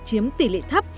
chiếm tỷ lệ thấp